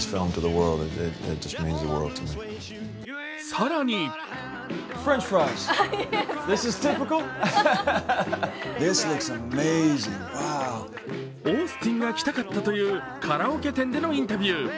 更にオースティンが来たかったというカラオケ店でのインタビュー。